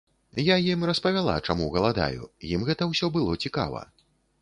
Я ім распавяла, чаму галадаю, ім гэта ўсё было цікава.